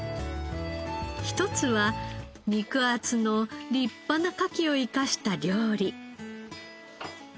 １つは肉厚の立派なカキを生かした料理。